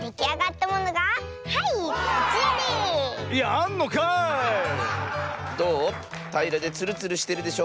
たいらでツルツルしてるでしょ？